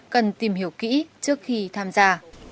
cần tìm hiểu kỹ trước khi tham gia